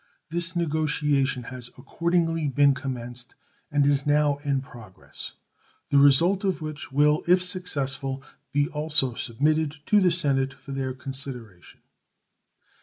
This negotiation has accordingly been commenced, and is now in progress, the result of which will, if successful, be also submitted to the Senate for their consideration.